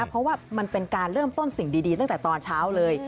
เพราะว่ามันเป็นการเริ่มต้นสิ่งดีตั้งแต่ตอนเช้าเลย